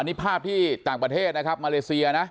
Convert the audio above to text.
นี่ภาพที่ต่างประเทศนะครับมาเลเซียนะ